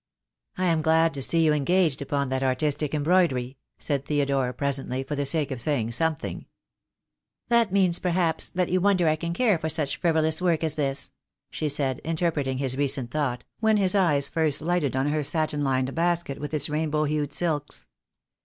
"I am glad to see you engaged upon that artistic embroidery," said Theodore, presently, for the sake of saying something. l6o THE DAY WILL COME. "That means perhaps that you wonder I can care for such frivolous work as this," she said, interpreting his recent thought, when his eyes first lighted on her satin lined basket with its rainbow hued silks.